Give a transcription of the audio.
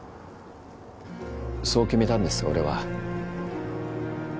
そう決めたんです俺は。